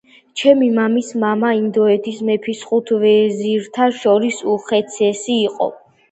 ჩემი მამის მამა ინდოეთის მეფის ხუთ ვეზირთა შორის უხუცესი იყო.